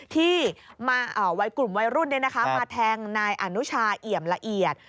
วัยกลุ่มวัยรุ่นมาแทงนายอนุชาเอี่ยมละเอียด